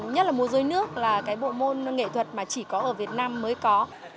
nhất là môi dối nước là cái bộ môn nghệ thuật mà chỉ có ở việt nam mới có